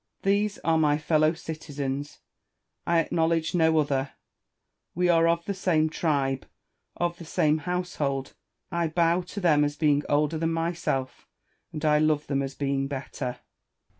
These are my fellow citizens : I acknowledge no other ; we are of the same tribe, of the same household ; I bow to them as being older than myself, and I love them as being better.